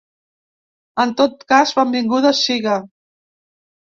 En tot cas, benvinguda siga.